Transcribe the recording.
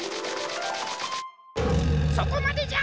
そこまでじゃ！